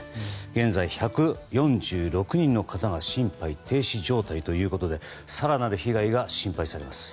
現在、１４６人の方が心肺停止状態ということで更なる被害が心配されます。